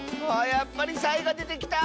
やっぱりサイがでてきた！